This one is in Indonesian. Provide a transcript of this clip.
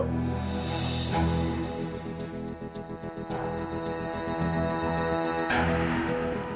lebih baik sekarang kita berempat ke rumah edo